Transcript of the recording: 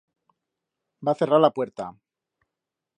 Va cerrar la puerta.